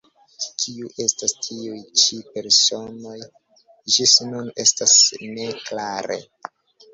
Kiu estas tiuj ĉi personoj, ĝis nun estas ne klare.